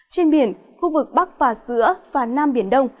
trên biển khu vực bắc và giữa và nam biển đông